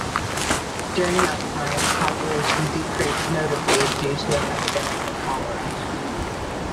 During that time, population decreased notably due to an epidemic of cholera.